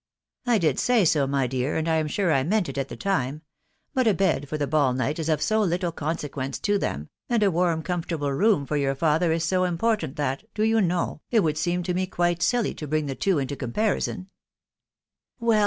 '"" I did* say so* nry dear; and I am1 sure I* meant it4 at* tlaei time ; but a* bed for the beiUnight' is of so : lHdexonseqejenee to them, and a warm comfortable1 roam for<yeu9vfatheriavse> important^ that, do yon know> it weuid«seem to me>quite*silly: tObrkig^theitwo into comparison:"' " Well